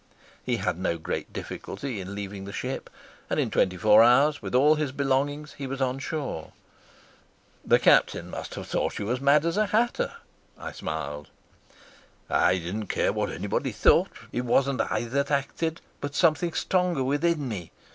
He had no great difficulty in leaving the ship, and in twenty four hours, with all his belongings, he was on shore. "The Captain must have thought you as mad as a hatter," I smiled. "I didn't care what anybody thought. It wasn't I that acted, but something stronger within me.